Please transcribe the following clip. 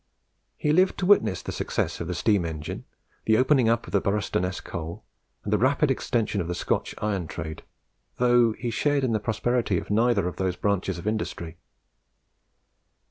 He lived to witness the success of the steam engine, the opening up of the Boroughstoness coal, and the rapid extension of the Scotch iron trade, though he shared in the prosperity of neither of those branches of industry.